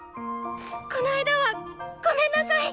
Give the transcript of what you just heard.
この間はごめんなさい！